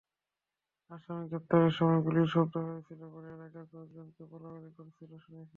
আসামি গ্রেপ্তারের সময় গুলির শব্দ হয়েছিল বলে এলাকার কয়েকজনকে বলাবলি করতে শুনেছি।